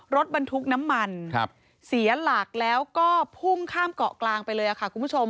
รถบรรทุกน้ำมันเสียหลักแล้วก็พุ่งข้ามเกาะกลางไปเลยค่ะคุณผู้ชม